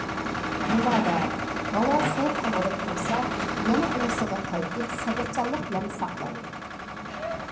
مۇبادا ھاۋا سوۋۇپ قالغۇدەك بولسا، يەنە ئۇۋىسىغا قايتىپ سەۋرچانلىق بىلەن ساقلايدۇ.